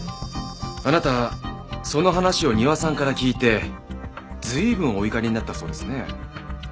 あなたその話を丹羽さんから聞いて随分お怒りになったそうですね。